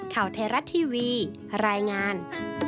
ข่าวไทยรัฐทีวีรายงาน